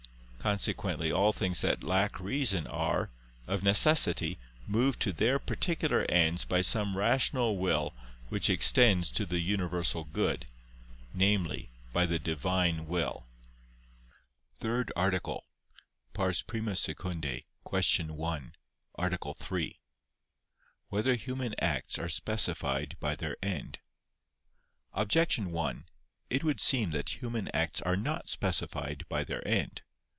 Consequently all things that lack reason are, of necessity, moved to their particular ends by some rational will which extends to the universal good, namely by the Divine will. ________________________ THIRD ARTICLE [I II, Q. 1, Art. 3] Whether Human Acts Are Specified by Their End? Objection 1: It would seem that human acts are not specified by their end.